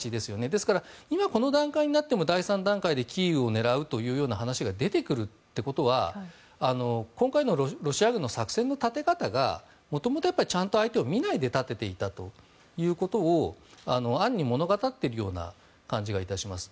ですから今この段階になっても第３段階でキーウを狙うという話が出てくるということは今回のロシア軍の作戦の立て方がもともとちゃんと相手を見ないで立てていたということを暗に物語っているような感じがします。